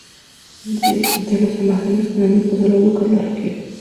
De entre los evangelios canónicos sólo Lucas lo refiere.